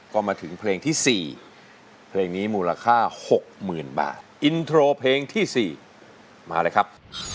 ก็มาถึงเพลงที่๔เพลงนี้มูลค่า๖๐๐๐บาทอินโทรเพลงที่๔มาเลยครับ